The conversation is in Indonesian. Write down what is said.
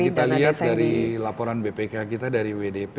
kita lihat dari laporan bpk kita dari wdp